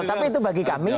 tapi itu bagi kami